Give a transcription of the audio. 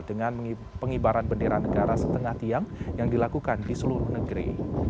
dengan pengibaran bendera negara setengah tiang yang dilakukan di seluruh negeri